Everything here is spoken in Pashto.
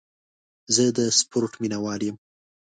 زه د سپورټ مینهوال یم.